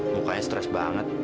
mukanya stres banget